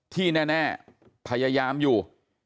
ที่แน่พยายามอยู่